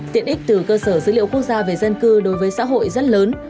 tiện ích từ cơ sở dữ liệu quốc gia về dân cư đối với xã hội rất lớn